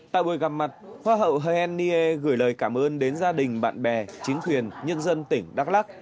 tại buổi gặp mặt hoa hậu hồ hèn nghê gửi lời cảm ơn đến gia đình bạn bè chính quyền nhân dân tỉnh đắk lắc